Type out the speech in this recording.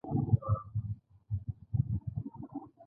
هغوی نور نه هوښیاریږي بلکې احتیاط یې ډیریږي.